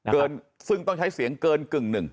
ซึ่งต้องใช้เสียงเกินกึ่งหนึ่ง